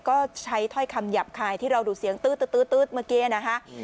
ก็ใช้ถ้อยคำหยาบคายที่เราดูเสียงตื้อเมื่อกี้นะคะ